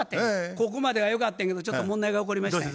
ここまではよかったんやけどちょっと問題が起こりましたんや。